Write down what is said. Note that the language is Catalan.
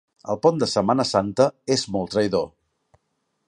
El pont de Setmana Santa és molt traïdor.